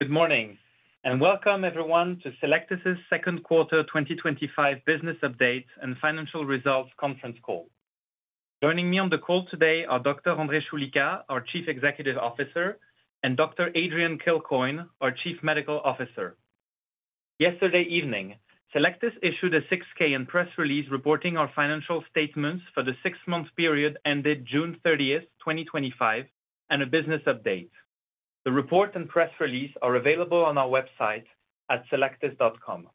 Good morning and Welcome, everyone, to Cellectis's Second Quarter 2025 Business Update and Financial Results Conference Call. Joining me on the call today are Dr. André Choulika, our Chief Executive Officer, and Dr. Adrian Kilcoyne, our Chief Medical Officer. Yesterday evening, Cellectis issued a 6-K and press release reporting our financial statements for the six-month period ended June 30th, 2025, and a business update. The report and press release are available on our website at cellectis.com.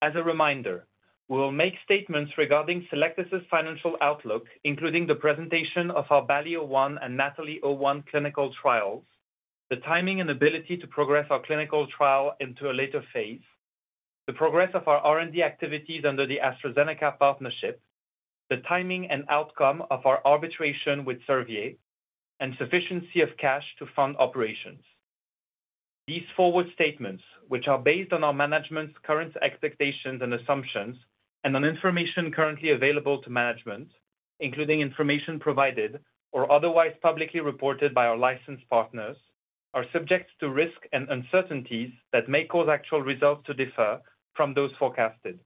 As a reminder, we will make statements regarding Cellectis's financial outlook, including the presentation of our BALLI-01 and NATHALI-01 clinical trials, the timing and ability to progress our clinical trial into a later phase, the progress of our R&D activities under the AstraZeneca partnership, the timing and outcome of our arbitration with Servier, and sufficiency of cash to fund operations. These forward statements, which are based on our management's current expectations and assumptions and on information currently available to management, including information provided or otherwise publicly reported by our licensed partners, are subject to risks and uncertainties that may cause actual results to differ from those forecasted.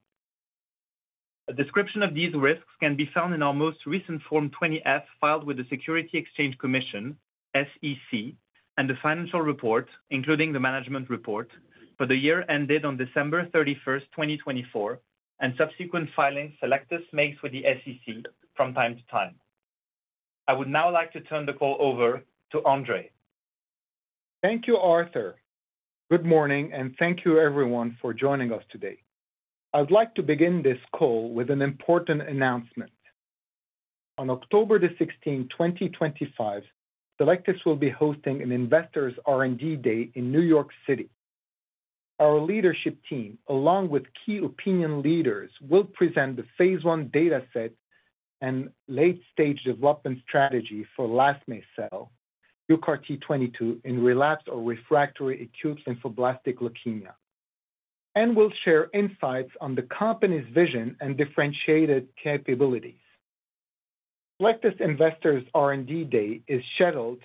A description of these risks can be found in our most recent Form 20-F filed with the Securities and Exchange Commission, SEC, and the financial report, including the management report for the year ended on December 31st, 2024, and subsequent filings Cellectis makes with the SEC from time to time. I would now like to turn the call over to André. Thank you, Arthur. Good morning, and thank you, everyone, for joining us today. I'd like to begin this call with an important announcement. On October 16, 2025, Cellectis will be hosting an Investors R&D Day in New York City. Our leadership team, along with key opinion leaders, will present the phase I dataset and late-stage development strategy for UCART22 in relapsed or refractory acute lymphoblastic leukemia, and will share insights on the company's vision and differentiated capabilities. Cellectis Investors R&D Day is scheduled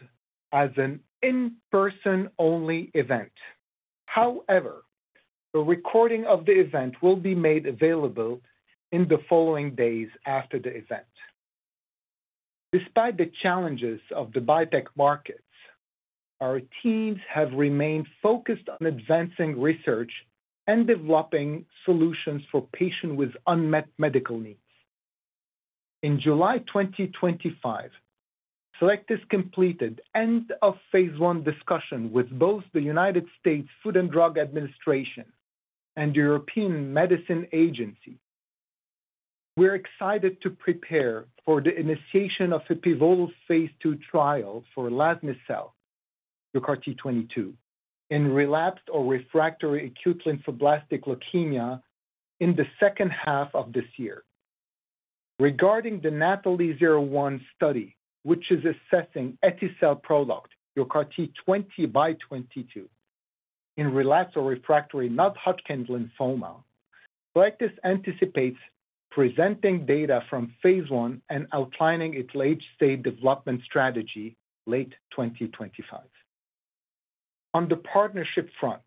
as an in-person-only event. However, a recording of the event will be made available in the following days after the event. Despite the challenges of the biotech markets, our teams have remained focused on advancing research and developing solutions for patients with unmet medical needs. In July 2025, Cellectis completed the end of phase I discussion with both the U.S. Food and Drug Administration and the European Medicines Agency. We are excited to prepare for the initiation of pivotal Phase II trials for UCART22 in relapsed or refractory acute lymphoblastic leukemia in the second half of this year. Regarding the NATHALI-01 study, which is assessing UCART20x22 in relapsed or refractory non-Hodgkin’s lymphoma, Cellectis anticipates presenting data from phase I and outlining its late-stage development strategy late 2025. On the partnership front,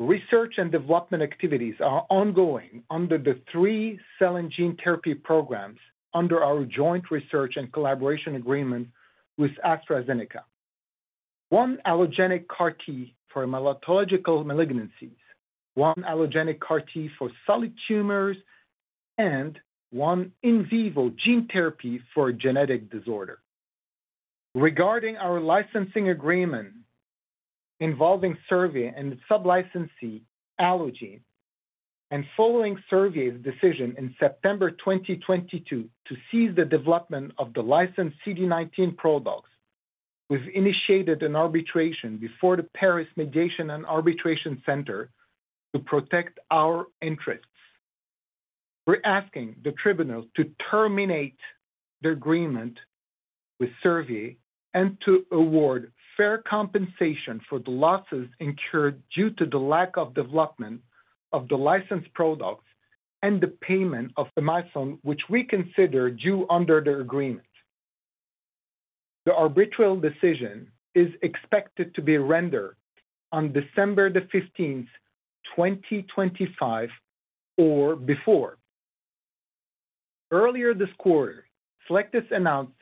research and development activities are ongoing under the three cell and gene therapy programs under our joint research and collaboration agreement with AstraZeneca: one allogeneic CAR-T for hematological malignancies, one allogeneic CAR-T for solid tumors, and one in vivo gene therapy for a genetic disorder. Regarding our licensing agreement involving Servier and its sublicensee, Allogene, and following Servier's decision in September 2022 to cease the development of the licensed CD19 products, we've initiated an arbitration before the Paris Mediation and Arbitration Center to protect our interests. We're asking the tribunal to terminate the agreement with Servier and to award fair compensation for the losses incurred due to the lack of development of the licensed products and the payment of milestone, which we consider due under the agreement. The arbitral decision is expected to be rendered on December 15th, 2025, or before. Earlier this quarter, Cellectis announced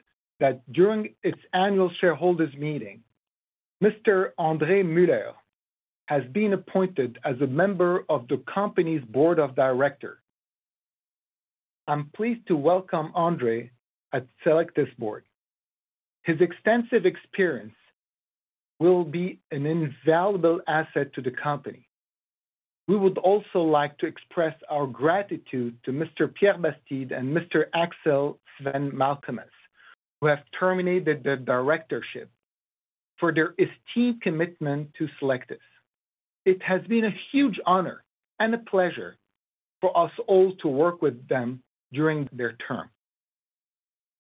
that during its annual shareholders' meeting, Mr. André Muller has been appointed as a member of the company's board of directors. I'm pleased to welcome André at Cellectis Board. His extensive experience will be an invaluable asset to the company. We would also like to express our gratitude to Mr. Pierre Bastide and Mr. Axel Sven-Malkomes, who have terminated the directorship for their esteemed commitment to Cellectis. It has been a huge honor and a pleasure for us all to work with them during their term.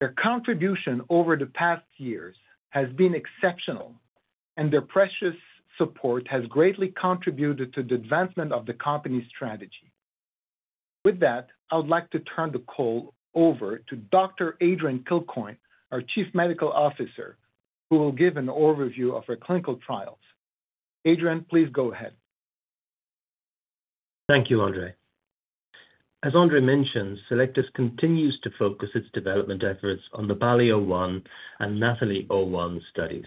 Their contribution over the past years has been exceptional, and their precious support has greatly contributed to the advancement of the company's strategy. With that, I would like to turn the call over to Dr. Adrian Kilcoyne, our Chief Medical Officer, who will give an overview of our clinical trials. Adrian, please go ahead. Thank you, André. As André mentioned, Cellectis continues to focus its development efforts on the BALLI-01 and NATHALI-01 studies.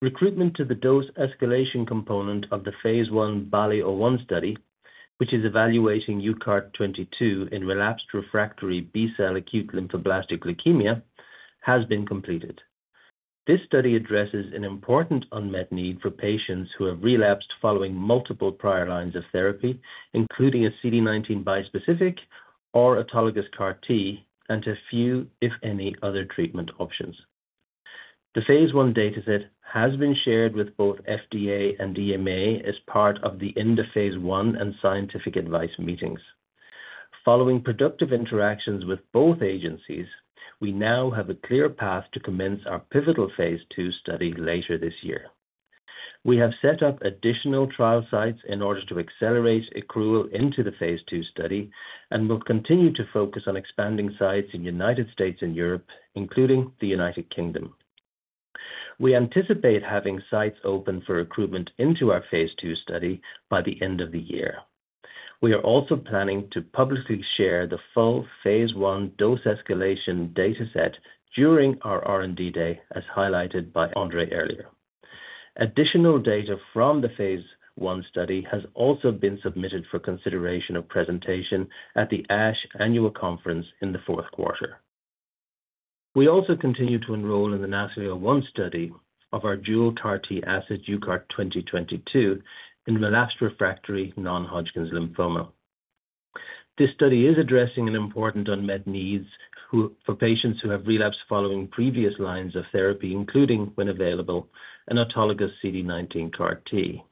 Recruitment to the dose escalation component of the phase I BALLI-01 study, which is evaluating UCART22 in relapsed refractory B-cell acute lymphoblastic leukemia, has been completed. This study addresses an important unmet need for patients who have relapsed following multiple prior lines of therapy, including a CD19 bispecific or autologous CAR-T, and a few, if any, other treatment options. The phase I dataset has been shared with both FDA and EMA as part of the end of phase I and scientific advice meetings. Following productive interactions with both agencies, we now have a clear path to commence our pivotal phase II study later this year. We have set up additional trial sites in order to accelerate accrual into the phase II study and will continue to focus on expanding sites in the United States and Europe, including the United Kingdom. We anticipate having sites open for recruitment into our phase II study by the end of the year. We are also planning to publicly share the full phase I dose escalation dataset during our R&D Day, as highlighted by André earlier. Additional data from the phase I study has also been submitted for consideration of presentation at the ASH annual conference in the fourth quarter. We also continue to enroll in the NATHALI-01 study of our dual CAR-T asset, UCART20x22, in relapsed refractory non-Hodgkin’s lymphoma. This study is addressing important unmet needs for patients who have relapsed following previous lines of therapy, including, when available, an autologous CD19 CAR-T.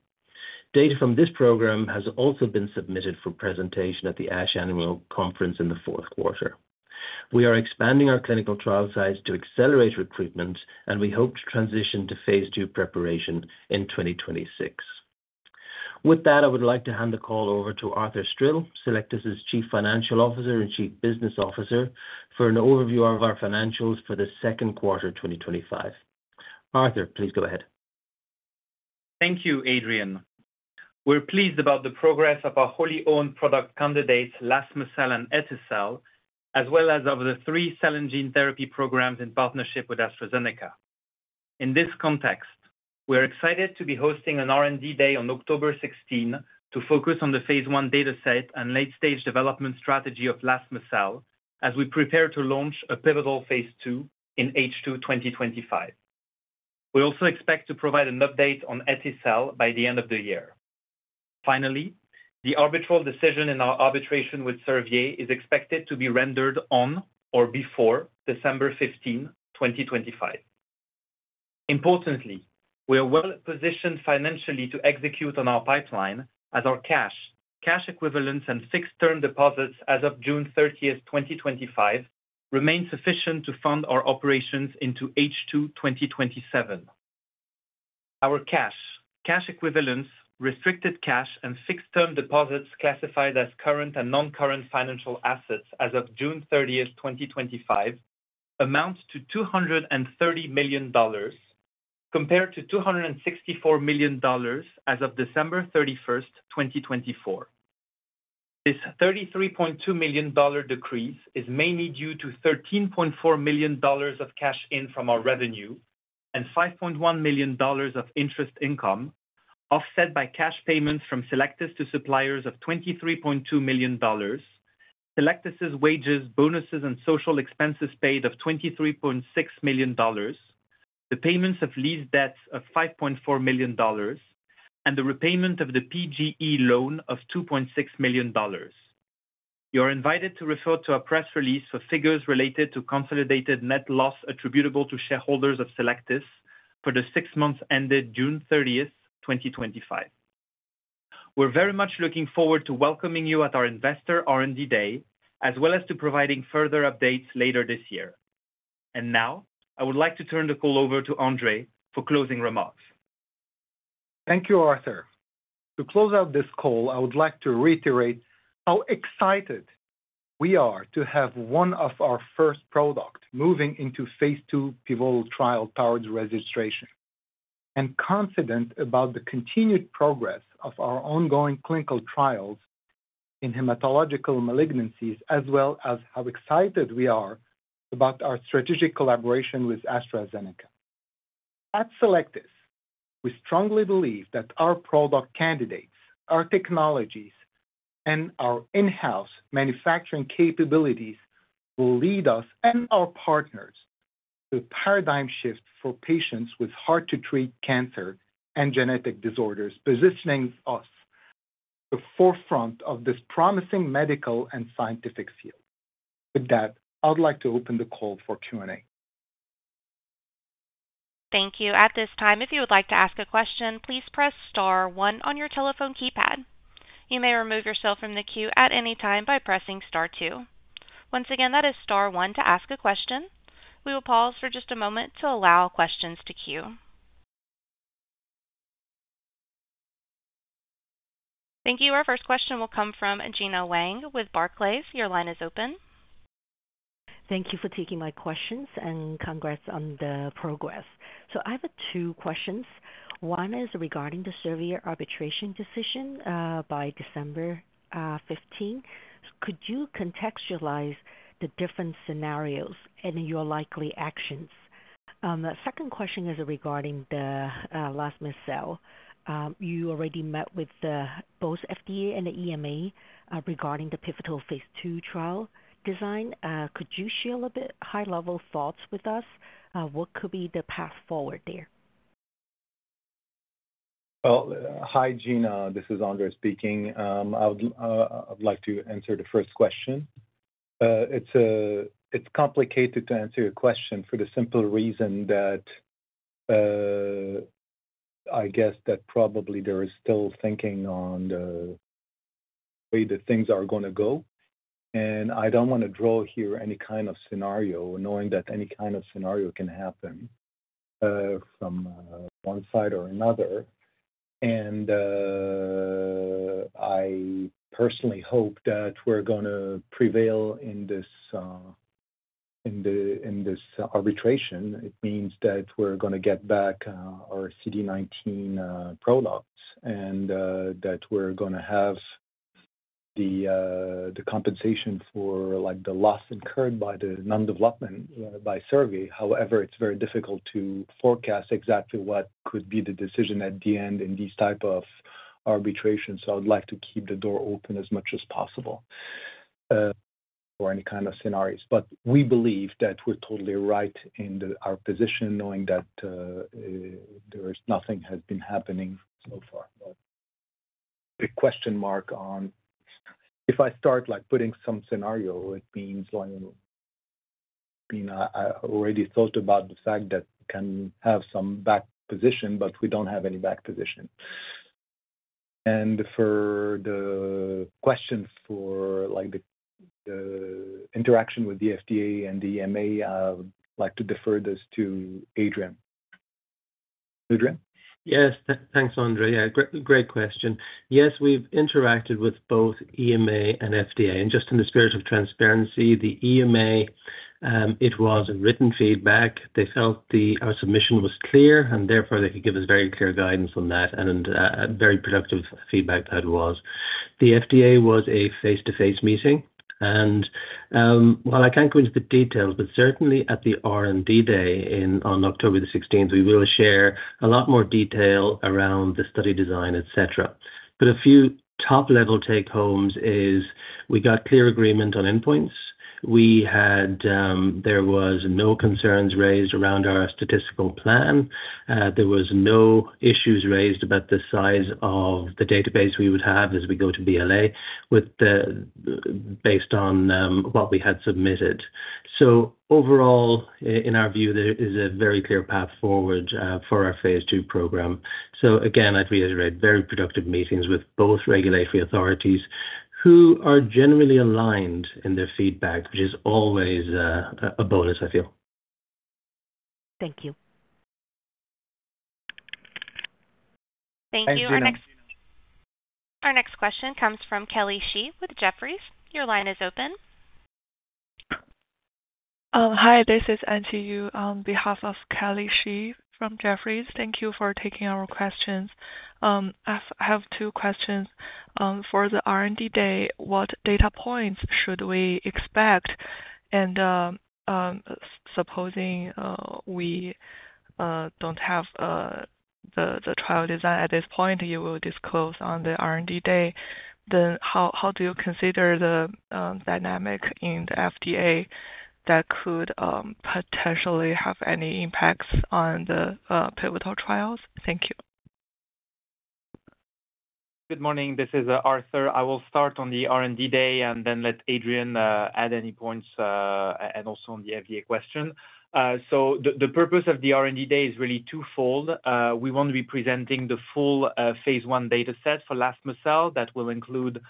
Data from this program has also been submitted for presentation at the ASH annual conference in the fourth quarter. We are expanding our clinical trial sites to accelerate recruitment, and we hope to transition to phase II preparation in 2026. With that, I would like to hand the call over to Arthur Stril, Cellectis’s Chief Financial Officer and Chief Business Officer, for an overview of our financials for the second quarter 2025. Arthur, please go ahead. Thank you, Adrian. We're pleased about the progress of our wholly owned product candidates, UCART22 and UCART20x22, as well as of the three cell and gene therapy programs in partnership with AstraZeneca. In this context, we are excited to be hosting an R&D day on October 16 to focus on the phase I dataset and late-stage development strategy of UCART22 as we prepare to launch a pivotal phase II in H2 2025. We also expect to provide an update on UCART20x22 by the end of the year. Finally, the arbitral decision in our arbitration with Servier is expected to be rendered on or before December 15, 2025. Importantly, we are well positioned financially to execute on our pipeline as our cash, cash equivalents, and fixed term deposits as of June 30th, 2025, remain sufficient to fund our operations into H2 2027. Our cash, cash equivalents, restricted cash, and fixed term deposits classified as current and non-current financial assets as of June 30th, 2025, amount to $230 million compared to $264 million as of December 31st, 2024. This $33.2 million decrease is mainly due to $13.4 million of cash in from our revenue and $5.1 million of interest income offset by cash payments from Cellectis to suppliers of $23.2 million, Cellectis's wages, bonuses, and social expenses paid of $23.6 million, the payments of lease debts of $5.4 million, and the repayment of the PGE loan of $2.6 million. You are invited to refer to our press release for figures related to consolidated net loss attributable to shareholders of Cellectis for the six months ended June 30th, 2025. We're very much looking forward to welcoming you at our Investor R&D Day, as well as to providing further updates later this year. I would like to turn the call over to André for closing remarks. Thank you, Arthur. To close out this call, I would like to reiterate how excited we are to have one of our first products moving into phase II pivotal trial powered registration and confident about the continued progress of our ongoing clinical trials in hematological malignancies, as well as how excited we are about our strategic collaboration with AstraZeneca. At Cellectis, we strongly believe that our product candidates, our technologies, and our in-house manufacturing capabilities will lead us and our partners to a paradigm shift for patients with hard-to-treat cancer and genetic disorders, positioning us at the forefront of this promising medical and scientific field. With that, I'd like to open the call for Q&A. Thank you. At this time, if you would like to ask a question, please press star one on your telephone keypad. You may remove yourself from the queue at any time by pressing star two. Once again, that is star one to ask a question. We will pause for just a moment to allow questions to queue. Thank you. Our first question will come from Gena Wang with Barclays. Your line is open. Thank you for taking my questions and congrats on the progress. I have two questions. One is regarding the Servier arbitration decision, by December 15. Could you contextualize the different scenarios and your likely actions? The second question is regarding UCART22. You already met with both FDA and the EMA regarding the pivotal phase II trial design. Could you share a little bit high-level thoughts with us? What could be the path forward there? Hi, Gena. This is André speaking. I would like to answer the first question. It's complicated to answer your question for the simple reason that I guess that probably there is still thinking on the way that things are going to go. I don't want to draw here any kind of scenario, knowing that any kind of scenario can happen from one side or another. I personally hope that we're going to prevail in this arbitration. It means that we're going to get back our CD19 products and that we're going to have the compensation for the loss incurred by the non-development by Servier. However, it's very difficult to forecast exactly what could be the decision at the end in these types of arbitrations. I'd like to keep the door open as much as possible for any kind of scenarios. We believe that we're totally right in our position, knowing that there is nothing that has been happening so far. The question mark on if I start like putting some scenario, it means I already thought about the fact that we can have some back position, but we don't have any back position. For the questions for like the interaction with the FDA and the EMA, I'd like to defer this to Adrian. Adrian? Yes, thanks, André. Yeah, great question. Yes, we've interacted with both EMA and FDA. Just in the spirit of transparency, the EMA, it was a written feedback. They felt our submission was clear and therefore they could give us very clear guidance on that and very productive feedback that it was. The FDA was a face-to-face meeting. While I can't go into the details, at the R&D day on October 16, we will share a lot more detail around the study design, et cetera. A few top-level take-homes is we got clear agreement on endpoints. There were no concerns raised around our statistical plan. There were no issues raised about the size of the database we would have as we go to BLA based on what we had submitted. Overall, in our view, there is a very clear path forward for our phase II program. I'd reiterate very productive meetings with both regulatory authorities who are generally aligned in their feedback, which is always a bonus, I feel. Thank you. Thank you. Our next question comes from Kelly Shi with Jefferies. Your line is open. Hi, this is Anjali on behalf of Kelly Shee from Jefferies. Thank you for taking our questions. I have two questions. For the R&D Day, what data points should we expect? Supposing we don't have the trial design at this point, you will disclose on the R&D Day. How do you consider the dynamic in the FDA that could potentially have any impacts on the pivotal trials? Thank you. Good morning. This is Arthur. I will start on the R&D day and then let Adrian add any points and also on the FDA question. The purpose of the R&D day is really twofold. We want to be presenting the full phase I dataset for UCART22 that will include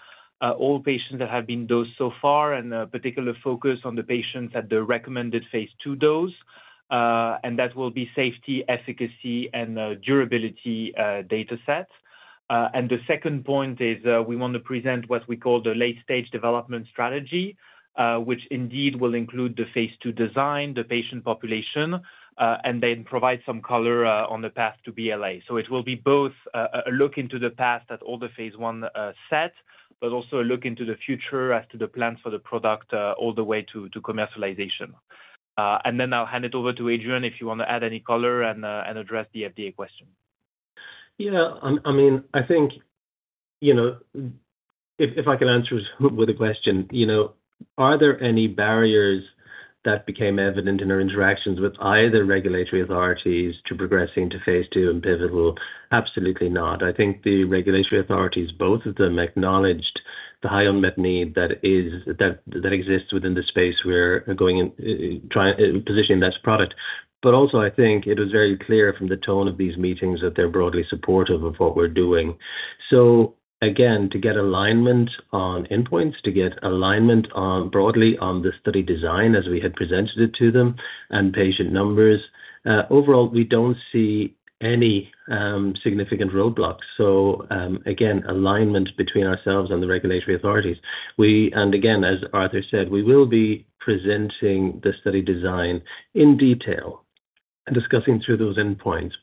all patients that have been dosed so far and a particular focus on the patients at the recommended phase II dose. That will be safety, efficacy, and durability dataset. The second point is we want to present what we call the late-stage development strategy, which indeed will include the phase II design, the patient population, and then provide some color on the path to BLA. It will be both a look into the past at all the phase I set, but also a look into the future as to the plans for the product all the way to commercialization. I'll hand it over to Adrian if you want to add any color and address the FDA question. Yeah, I mean, I think, if I can answer with a question, are there any barriers that became evident in our interactions with either regulatory authorities to progressing to phase II and pivotal? Absolutely not. I think the regulatory authorities, both of them, acknowledged the high unmet need that exists within the space we're going to position in that product. I think it was very clear from the tone of these meetings that they're broadly supportive of what we're doing. To get alignment on endpoints, to get alignment broadly on the study design as we had presented it to them, and patient numbers, overall, we don't see any significant roadblocks. Alignment between ourselves and the regulatory authorities. We, as Arthur said, will be presenting the study design in detail and discussing through those endpoints.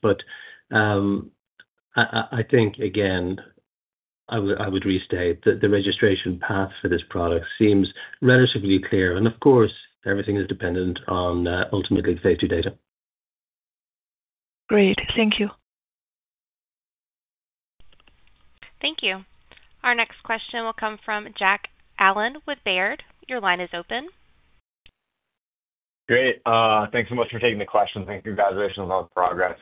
I would restate that the registration path for this product seems relatively clear. Of course, everything is dependent on ultimately the phase II data. Great. Thank you. Thank you. Our next question will come from Jack Allen with Baird. Your line is open. Great. Thanks so much for taking the questions. Thanks. Congratulations on the progress.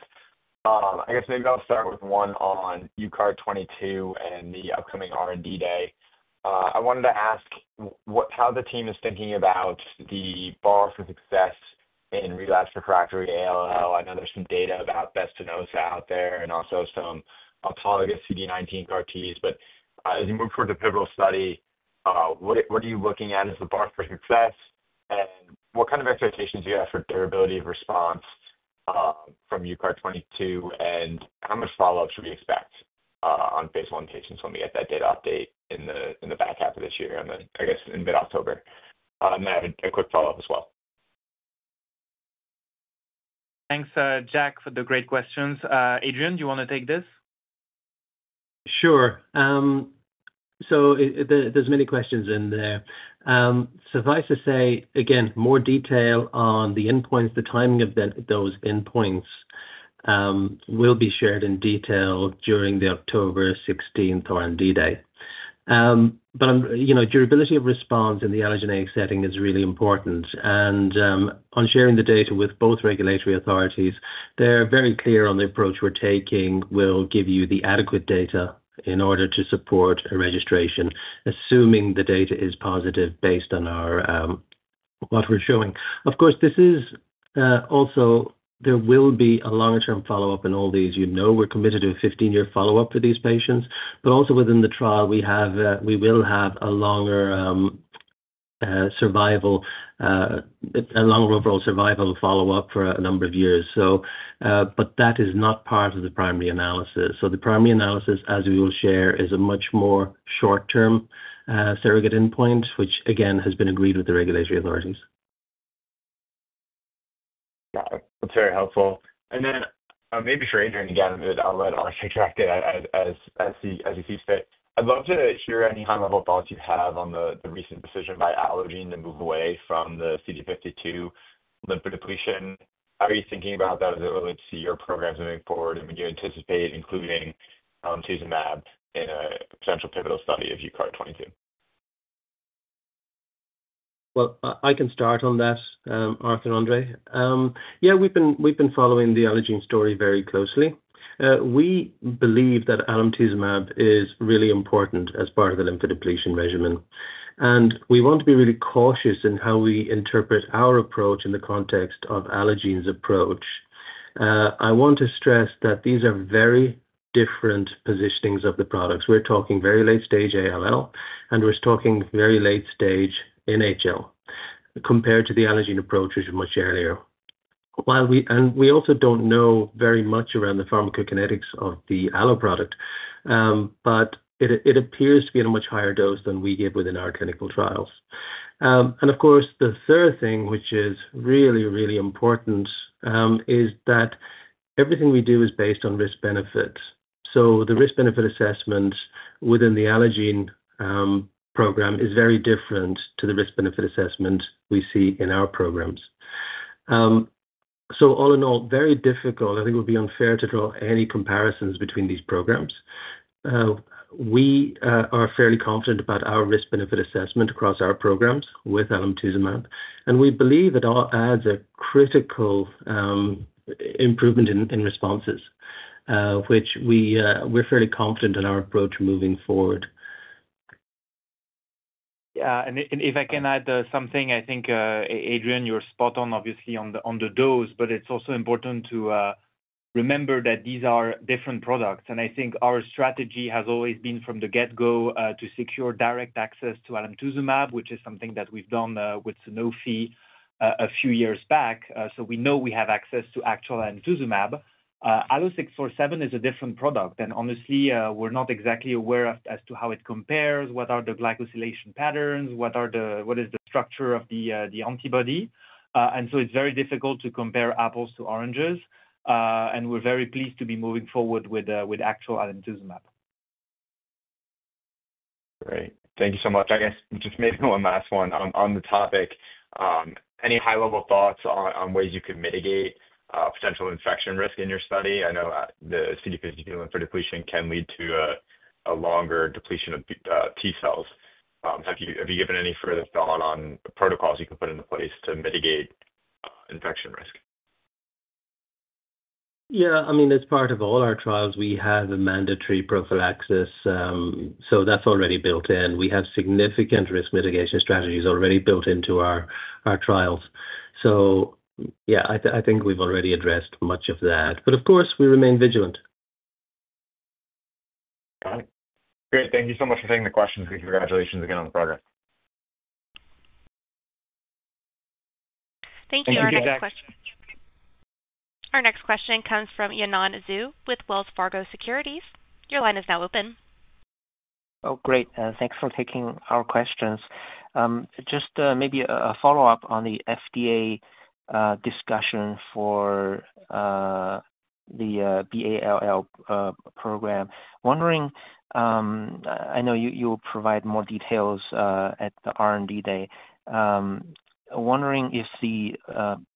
I guess maybe I'll start with one on UCART22 and the upcoming R&D day. I wanted to ask how the team is thinking about the bar for success in relapsed refractory ALL. I know there's some data about best to know out there and also some autologous CD19 CAR-Ts. As you move towards the pivotal study, what are you looking at as the bar for success? What kind of expectations do you have for durability of response from UCART22? How much follow-up should we expect on phase I patients when we get that data update in the back half of this year and, I guess, in mid-October? I have a quick follow-up as well. Thanks, Jack, for the great questions. Adrian, do you want to take this? Sure. There are many questions in there. Suffice to say, more detail on the endpoints and the timing of those endpoints will be shared in detail during the October 16th R&D Day. Durability of response in the allogeneic setting is really important. On sharing the data with both regulatory authorities, they're very clear on the approach we're taking and will give you the adequate data in order to support a registration, assuming the data is positive based on what we're showing. Of course, there will be a longer-term follow-up in all these. We're committed to a 15-year follow-up for these patients. Also, within the trial, we will have a longer overall survival follow-up for a number of years, but that is not part of the primary analysis. The primary analysis, as we will share, is a much more short-term surrogate endpoint, which has been agreed with the regulatory authorities. That's very helpful. Maybe for Adrian, again, I'll let Arthur take that as he sees fit. I'd love to hear any high-level thoughts you have on the recent decision by Allogene to move away from the CD52 lymphodepletion. How are you thinking about that as it relates to your programs moving forward? Would you anticipate including alemtuzumab in a potential pivotal study of UCART22? I can start on this, Arthur and André. We've been following the Allogene story very closely. We believe that alemtuzumab is really important as part of the lymphoid depletion measurement. We want to be really cautious in how we interpret our approach in the context of Allogene's approach. I want to stress that these are very different positionings of the products. We're talking very late-stage ALL, and we're talking very late-stage NHL compared to the Allogene approach, which is much earlier. We also don't know very much around the pharmacokinetics of the Allogene product. It appears to be at a much higher dose than we give within our clinical trials. The third thing, which is really, really important, is that everything we do is based on risk-benefit. The risk-benefit assessment within the Allogene program is very different to the risk-benefit assessment we see in our programs. All in all, very difficult. I think it would be unfair to draw any comparisons between these programs. We are fairly confident about our risk-benefit assessment across our program with alemtuzumab. We believe that all adds a critical improvement in responses, which we're fairly confident in our approach moving forward. Yeah. If I can add something, I think, Adrian, you're spot on, obviously, on the dose. It's also important to remember that these are different products. I think our strategy has always been from the get-go to secure direct access to alemtuzumab, which is something that we've done with Sanofi a few years back. We know we have access to actual alemtuzumab. ALLO-647 is a different product. Honestly, we're not exactly aware as to how it compares, what are the glycosylation patterns, what is the structure of the antibody. It's very difficult to compare apples to oranges. We're very pleased to be moving forward with actual alemtuzumab. Great. Thank you so much. I guess just maybe one last one on the topic. Any high-level thoughts on ways you could mitigate potential infection risk in your study? I know the CD52 lymphodepletion can lead to a longer depletion of T-cells. Have you given any further thought on protocols you could put into place to mitigate infection risk? Yeah, I mean, as part of all our trials, we have a mandatory prophylaxis. That's already built in. We have significant risk mitigation strategies already built into our trials. I think we've already addressed much of that. Of course, we remain vigilant. Got it. Great. Thank you so much for taking the questions. Congratulations again on the program. Thank you. Our next question comes from Yanan Zhu with Wells Fargo Securities. Your line is now open. Oh, great. Thanks for taking our questions. Maybe a follow-up on the FDA discussion for the BALL program. I know you will provide more details at the R&D day. I'm wondering if the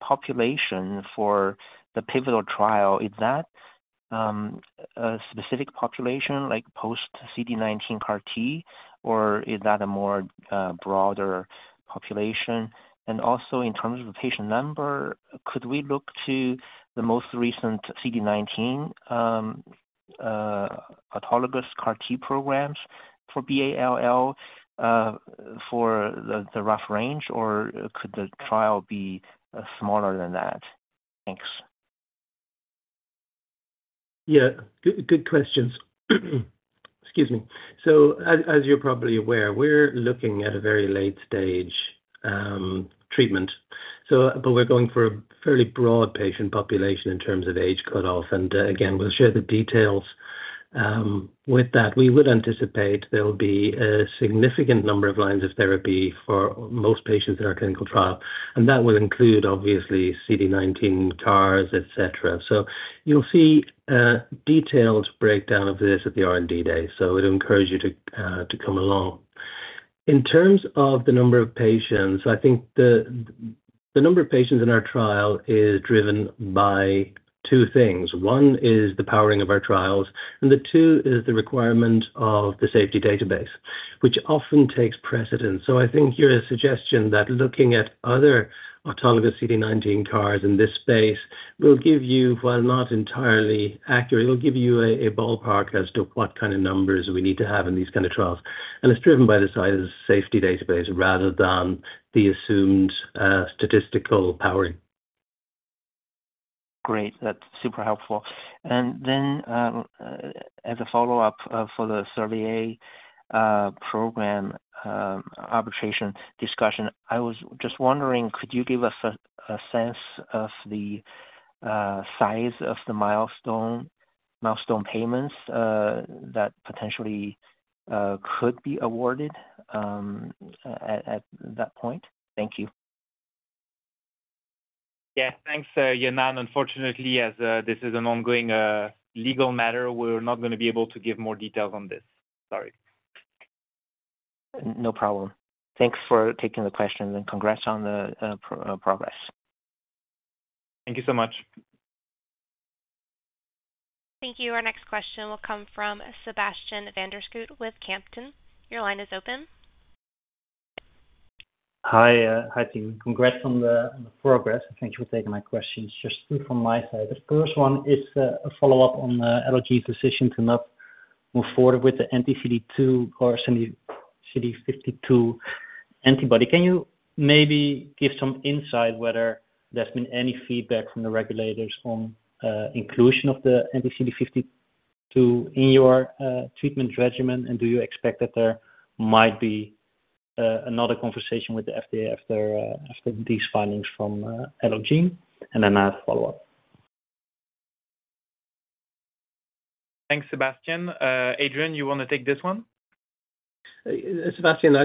population for the pivotal trial, is that a specific population, like post-CD19 CAR-T, or is that a broader population? Also, in terms of the patient number, could we look to the most recent CD19 autologous CAR-T programs for BALL for the rough range, or could the trial be smaller than that? Thanks. Yeah, good questions. Excuse me. As you're probably aware, we're looking at a very late-stage treatment. We're going for a fairly broad patient population in terms of age cutoff, and again, we'll share the details with that. We would anticipate there will be a significant number of lines of therapy for most patients in our clinical trial, and that will include, obviously, CD19 CARs, etc. You'll see a detailed breakdown of this at the R&D day. I'd encourage you to come along. In terms of the number of patients, I think the number of patients in our trial is driven by two things. One is the powering of our trials, and two is the requirement of the safety database, which often takes precedence. I think your suggestion that looking at other autologous CD19 CARs in this space will give you, while not entirely accurate, a ballpark as to what kind of numbers we need to have in these kind of trials. It's driven by the size of the safety database rather than the assumed statistical powering. Great. That's super helpful. As a follow-up for the Servier program arbitration discussion, I was just wondering, could you give us a sense of the size of the milestone payments that potentially could be awarded at that point? Thank you. Yeah, thanks, Yanan. Unfortunately, as this is an ongoing legal matter, we're not going to be able to give more details on this. Sorry. No problem. Thanks for taking the question and congrats on the progress. Thank you so much. Thank you. Our next question will come from Sebastiaan van der Schoot with Kempen. Your line is open. Hi, team. Congrats on the progress. Thank you for taking my questions. Just from my side, the first one is a follow-up on the Allogene decision to not move forward with the anti-CD2 or CD52 antibody. Can you maybe give some insight whether there's been any feedback from the regulators on inclusion of the anti-CD52 in your treatment regimen? Do you expect that there might be another conversation with the FDA after these findings from Allogene? I'll follow up. Thanks, Sebastiaan. Adrian, you want to take this one? Sebastiaan,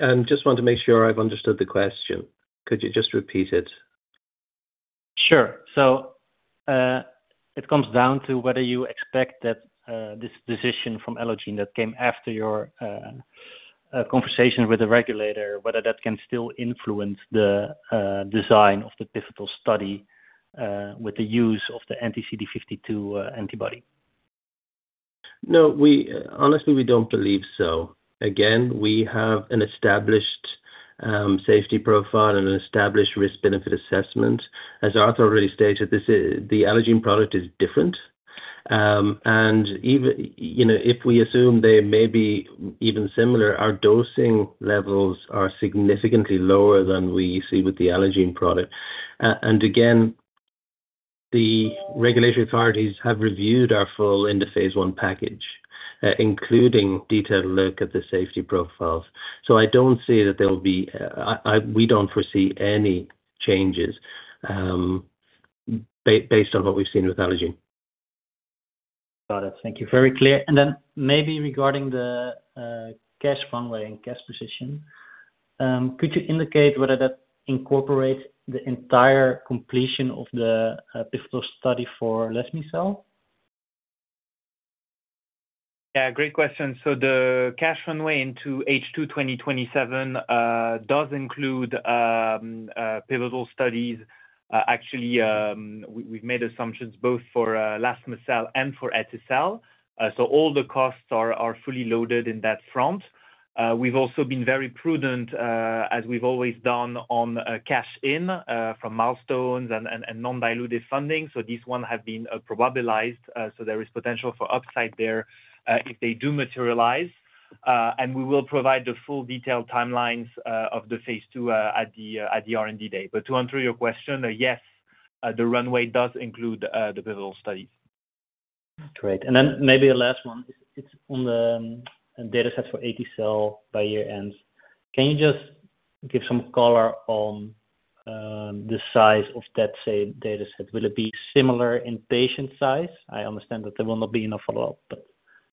I just want to make sure I've understood the question. Could you just repeat it? Sure. It comes down to whether you expect that this decision from Allogene that came after your conversation with the regulator, whether that can still influence the design of the pivotal study with the use of the anti-CD52 antibody. No, we honestly, we don't believe so. Again, we have an established safety profile and an established risk-benefit assessment. As Arthur already stated, the Allogene product is different. Even if we assume they may be even similar, our dosing levels are significantly lower than we see with the Allogene product. The regulatory authorities have reviewed our full end-of-phase-1 package, including a detailed look at the safety profiles. I don't see that there will be, we don't foresee any changes based on what we've seen with Allogene. Got it. Thank you. Very clear. Maybe regarding the cash runway and cash position, could you indicate whether that incorporates the entire completion of the pivotal study for UCART22? Yeah, great question. The cash runway into H2-2027 does include pivotal studies. Actually, we've made assumptions both for UCART22 and for UCART20x22. All the costs are fully loaded in that front. We've also been very prudent, as we've always done, on cash in from milestones and non-diluted funding. These ones have been probabilized. There is potential for upside there if they do materialize. We will provide the full detailed timelines of the phase II at the R&D Day. To answer your question, yes, the runway does include the pivotal study. Great. Maybe the last one, it's on the dataset for UCART20x22 by year end. Can you just give some color on the size of that same dataset? Will it be similar in patient size? I understand that there will not be enough follow-up.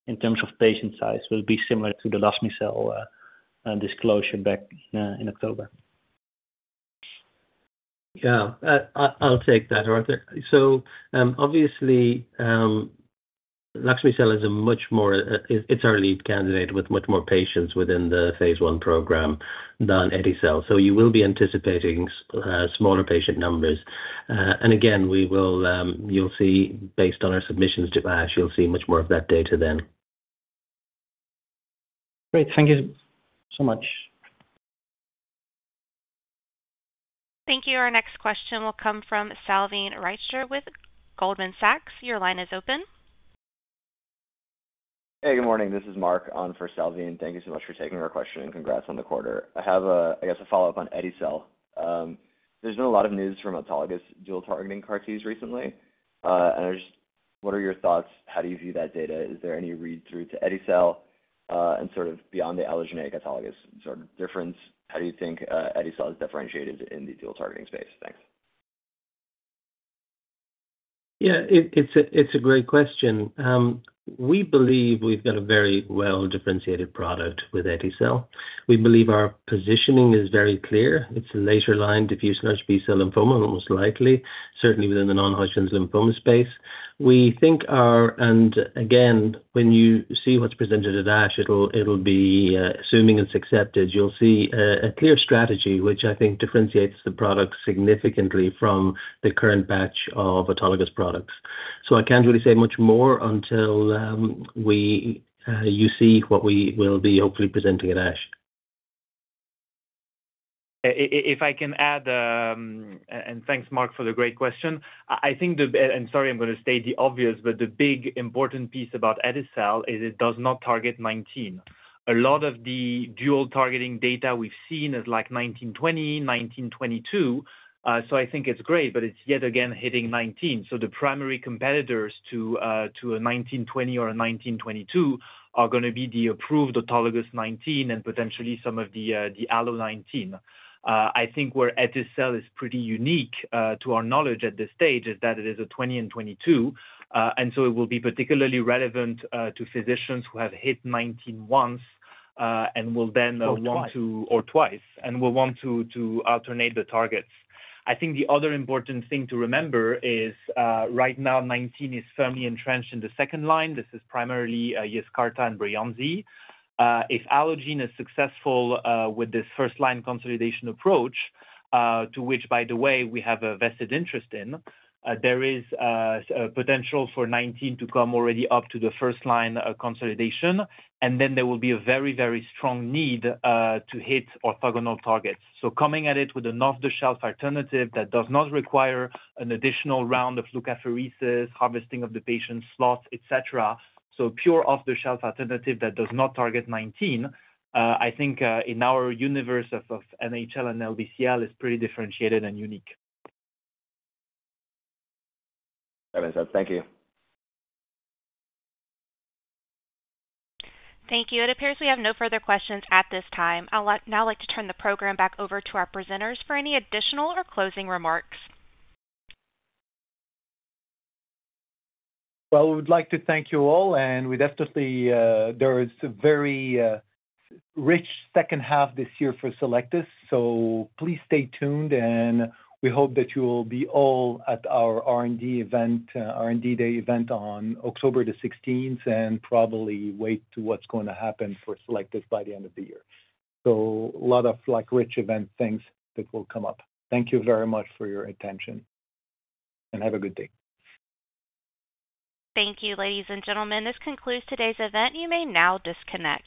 In terms of patient size, will it be similar to the UCART22 disclosure back in October? Yeah, I'll take that, Arthur. UCART22 is a much more, it's our lead candidate with much more patients within the phase I program than UCART20x22. You will be anticipating smaller patient numbers. You'll see, based on our submissions to ASH, you'll see much more of that data then. Great. Thank you so much. Thank you. Our next question will come from Salveen Reitzer with Goldman Sachs. Your line is open. Hey, good morning. This is Mark on for Salveen. Thank you so much for taking our question and congrats on the quarter. I have a, I guess, a follow-up on UCART20x22. There's been a lot of news from autologous dual-targeting CAR-Ts recently. What are your thoughts? How do you view that data? Is there any read-through to UCART20x22? Beyond the allogeneic autologous sort of difference, how do you think UCART20x22 is differentiated in the dual-targeting space? Thanks. Yeah, it's a great question. We believe we've got a very well-differentiated product with UCART20x22. We believe our positioning is very clear. It's a later line diffuse large B-cell lymphoma, most likely, certainly within the non-Hodgkin's lymphoma space. We think our, and again, when you see what's presented at ASH, it'll be, assuming it's accepted, you'll see a clear strategy, which I think differentiates the product significantly from the current batch of autologous products. I can't really say much more until you see what we will be hopefully presenting at ASH. If I can add, and thanks, Mark, for the great question. I think the, and sorry, I'm going to state the obvious, but the big important piece about UCART20x22 is it does not target 19. A lot of the dual-targeting data we've seen is like 19, 20, 19, 22. I think it's great, but it's yet again hitting 19. The primary competitors to a 19, 20 or a 19, 22 are going to be the approved autologous 19 and potentially some of the ALLO-19. I think where UCART20x22 is pretty unique to our knowledge at this stage is that it is a 20 and 22. It will be particularly relevant to physicians who have hit 19 once and will then want to, or twice, and will want to alternate the targets. The other important thing to remember is right now 19 is firmly entrenched in the second line. This is primarily Yescarta and Breyanzi. If Allogene is successful with this first-line consolidation approach, to which, by the way, we have a vested interest in, there is a potential for 19 to come already up to the first-line consolidation. There will be a very, very strong need to hit orthogonal targets. Coming at it with an off-the-shelf alternative that does not require an additional round of leukapheresis, harvesting of the patient's slots, etc. A pure off-the-shelf alternative that does not target 19, I think in our universe of NHL and LBCL is pretty differentiated and unique. That is it. Thank you. Thank you. It appears we have no further questions at this time. I'll now like to turn the program back over to our presenters for any additional or closing remarks. Thank you all. There is a very rich second half this year for Cellectis. Please stay tuned. We hope that you will be all at our R&D Day event on October 16th and probably wait to see what's going to happen for Cellectis by the end of the year. A lot of rich event things will come up. Thank you very much for your attention and have a good day. Thank you, ladies and gentlemen. This concludes today's event. You may now disconnect.